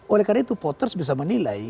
oleh karena itu voters bisa menilai